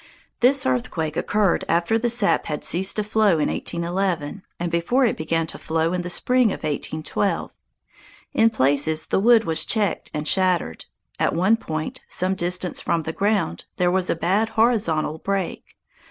This earthquake occurred after the sap had ceased to flow in 1811, and before it began to flow in the spring of 1812. In places the wood was checked and shattered. At one point, some distance from the ground, there was a bad horizontal break.